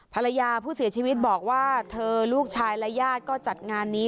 ภรรยาผู้เสียชีวิตบอกว่าเธอลูกชายและญาติก็จัดงานนี้